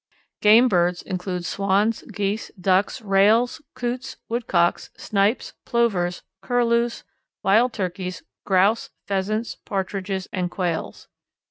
Game birds include Swans, Geese, Ducks, Rails, Coots, Woodcocks, Snipes, Plovers, Curlews, Wild Turkeys, Grouse, Pheasants, Partridges, and Quails.